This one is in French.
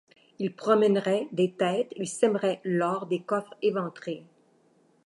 Il promènerait des têtes, il sèmerait l’or des coffres éventrés.